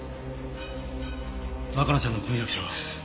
若菜ちゃんの婚約者は？